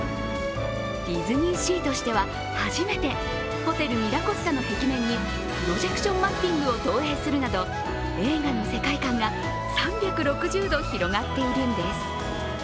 ディズニーシーとしては初めてホテルミラコスタの壁面にプロジェクションマッピングを投影するなど映画の世界観が３６０度広がっているんです。